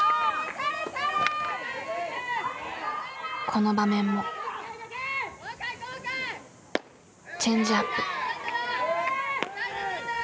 この場面もチェンジアップ。